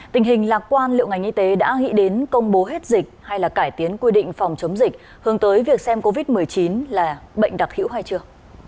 tình hình lạc quan liệu ngành y tế đã nghĩ đến công bố hết dịch hay là cải tiến quy định phòng chống dịch hướng tới việc xem covid một mươi chín là bệnh đặc hữu hay chưa